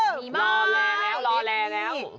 มีมากรอแล้วรอแล้ว